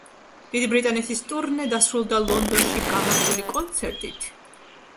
დიდი ბრიტანეთის ტურნე დასრულდა ლონდონში გამართული კონცერტით.